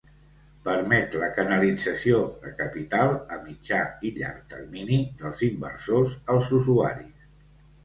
Permet la canalització de capital a mitjà i llarg termini dels inversors als usuaris.